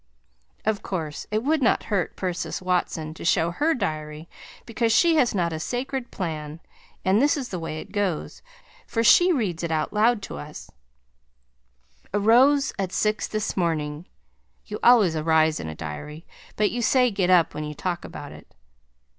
Of course it would not hurt Persis Watson to show her diary because she has not a sacred plan and this is the way it goes, for she reads it out loud to us: "Arose at six this morning (you always arise in a diary but you say get up when you talk about it).